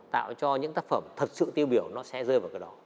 tạo cho những tác phẩm thật sự tiêu biểu nó sẽ rơi vào cái đó